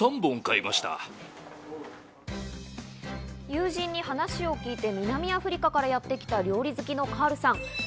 友人に話を聞いて南アフリカからやってきた、料理好きのカールさん。